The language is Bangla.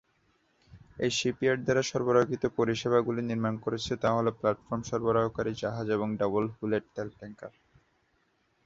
এই শিপইয়ার্ড দ্বারা সরবরাহকৃত পরিষেবাগুলি নির্মাণ করছে তা হল প্ল্যাটফর্ম সরবরাহকারী জাহাজ এবং ডাবল-হুলেড তেল ট্যাঙ্কার।